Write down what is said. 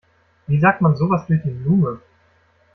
Wie sagt man sowas durch die Blume?